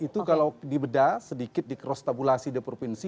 itu kalau di bedah sedikit di cross stabulasi di provinsi